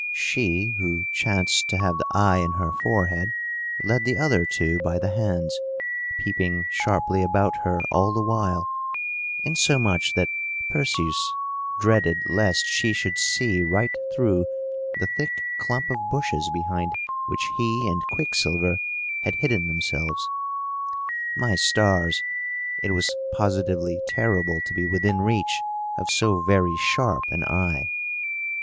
She who chanced to have the eye in her forehead led the other two by the hands, peeping sharply about her, all the while; insomuch that Perseus dreaded lest she should see right through the thick clump of bushes behind which he and Quicksilver had hidden themselves. My stars! it was positively terrible to be within reach of so very sharp an eye!